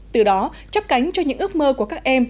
từ đó chấp cánh cho những ước mơ của các em